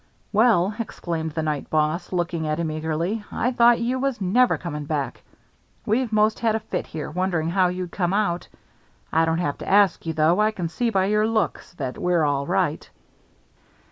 "Well," exclaimed the night boss, looking at him eagerly; "I thought you was never coming back. We've most had a fit here, wondering how you'd come out. I don't have to ask you, though. I can see by your looks that we're all right."